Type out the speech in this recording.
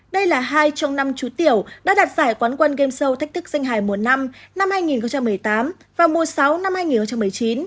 đây là hai trong năm chú tiểu đã đặt giải quán quân game show thách thức sinh hài mùa năm năm hai nghìn một mươi tám và mùa sáu năm hai nghìn một mươi chín